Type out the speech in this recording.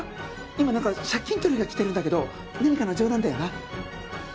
今なんか借金取りが来てるんだけど何かの冗談だよな？